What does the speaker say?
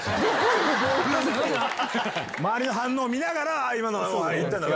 周りの反応見ながら今のは行ったんだな！